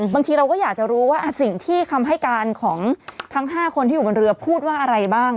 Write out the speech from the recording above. บางทีเราก็อยากจะรู้ว่าสิ่งที่คำให้การของทั้ง๕คนที่อยู่บนเรือพูดว่าอะไรบ้าง